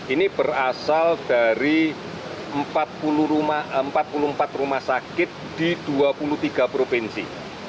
ini berasal dari empat puluh empat rumah sakit di dua puluh tiga provinsi